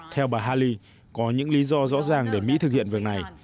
theo bà haley có những lý do rõ ràng để mỹ thực hiện việc này